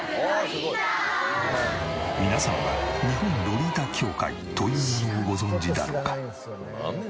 皆さんは日本ロリータ協会というものをご存じだろうか？